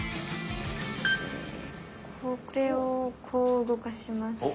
これをこう動かします。